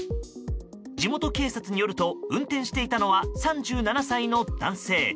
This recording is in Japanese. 地元警察によると運転していたのは３７歳の男性。